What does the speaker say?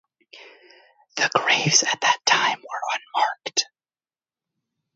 The graves at that time were unmarked.